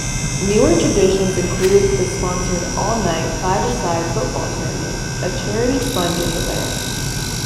Newer traditions include the sponsored all night five-a-side football tournament, a "charity sponging" event.